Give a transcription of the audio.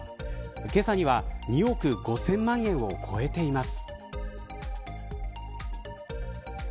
けさには２億５０００万円を超えています。